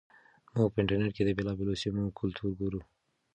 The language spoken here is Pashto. موږ په انټرنیټ کې د بېلابېلو سیمو کلتور ګورو.